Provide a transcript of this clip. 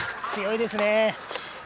強いですね。